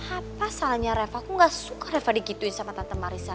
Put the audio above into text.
apa soalnya reva aku gak suka reva digituin sama tante marisa